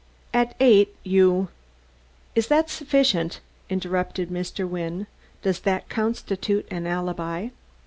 At eight you " "Is that sufficient?" interrupted Mr. Wynne. "Does that constitute an alibi?"